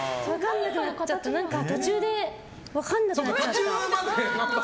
途中で分かんなくなっちゃった。